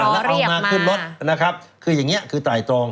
แล้วเอามาขึ้นรถนะครับคืออย่างนี้คือไตรตรอง